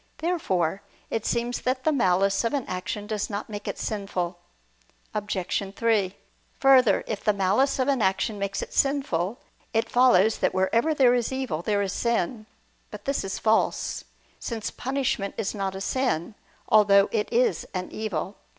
Therefore it seems that the malice of an action does not make it sinful. Obj. 3: Further, if the malice of an action makes it sinful, it follows that wherever there is evil, there is sin. But this is false: since punishment is not a sin, although it is an evil.